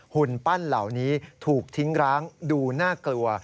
หุ่นปั้นเหล่านี้ถูกทิ้งร้างดูน่ากลัว